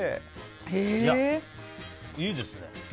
いいですね。